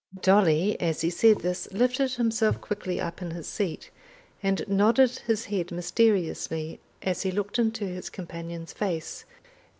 Dolly as he said this lifted himself quickly up in his seat, and nodded his head mysteriously as he looked into his companion's face.